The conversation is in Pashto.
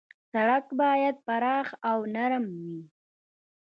سړک باید پراخ او نرم وي.